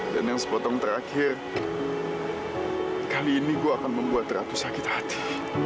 dan yang sepotong terakhir kali ini gue akan membuat ratu sakit hati